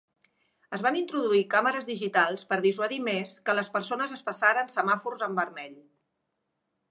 Es van introduir càmeres digitals per dissuadir més que les persones es passaren semàfors en vermell.